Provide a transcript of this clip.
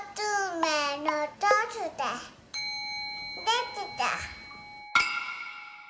できた！